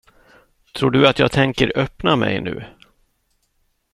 Tror du att jag tänker öppna mig nu?